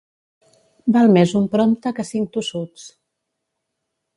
Val més un prompte que cinc tossuts.